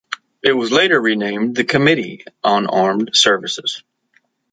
It was later renamed the Committee on Armed Services.